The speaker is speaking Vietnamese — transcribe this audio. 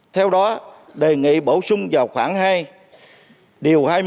theo đó đề nghị bổ sung vào khoảng hai điều hai mươi